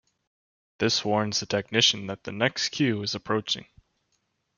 This warns the technicians that the next cue is approaching.